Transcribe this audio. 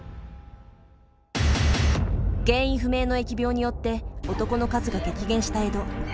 原因不明の疫病によって男の数が激減した江戸。